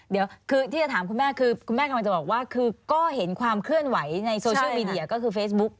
เดี๋ยวคือที่จะถามคุณแม่คือคุณแม่กำลังจะบอกว่าคือก็เห็นความเคลื่อนไหวในโซเชียลมีเดียก็คือเฟซบุ๊ก